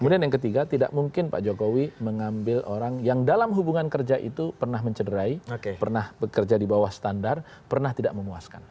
kemudian yang ketiga tidak mungkin pak jokowi mengambil orang yang dalam hubungan kerja itu pernah mencederai pernah bekerja di bawah standar pernah tidak memuaskan